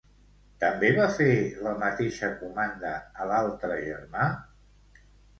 També va fer la mateixa comanda a l'altre germà?